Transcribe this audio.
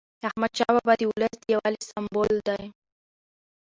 احمدشاه بابا د ولس د یووالي سمبول دی.